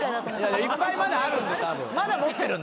いっぱいまだあるんでたぶん。